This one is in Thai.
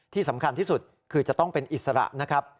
ที่สำคัญที่สุดคือจะต้องเป็นอิสระนะครับ